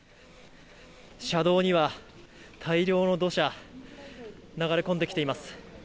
車道には大量の土砂が流れ込んできています。